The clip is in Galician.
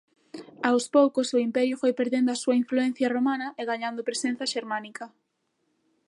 Aos poucos o Imperio foi perdendo a súa influencia romana e gañando presenza xermánica.